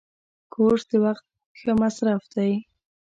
کورس د وخت ښه مصرف دی.